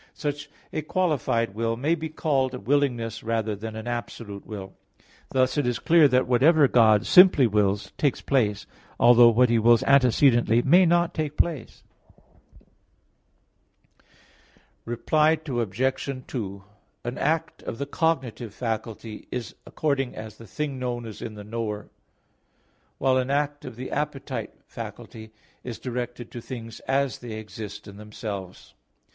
Such a qualified will may be called a willingness rather than an absolute will. Thus it is clear that whatever God simply wills takes place; although what He wills antecedently may not take place. Reply Obj. 2: An act of the cognitive faculty is according as the thing known is in the knower; while an act of the appetite faculty is directed to things as they exist in themselves.